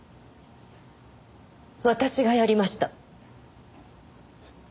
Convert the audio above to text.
私がやりました。